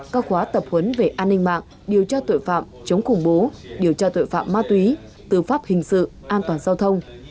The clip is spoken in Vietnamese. các khóa tập huấn về an ninh mạng điều tra tội phạm chống khủng bố điều tra tội phạm ma túy tư pháp hình sự an toàn giao thông